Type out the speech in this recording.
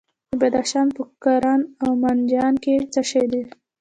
د بدخشان په کران او منجان کې څه شی شته؟